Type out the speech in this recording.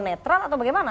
netral atau bagaimana